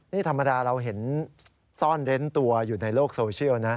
นี่ธรรมดาเราเห็นซ่อนเร้นตัวอยู่ในโลกโซเชียลนะ